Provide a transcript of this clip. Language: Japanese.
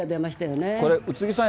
これ、宇津木さん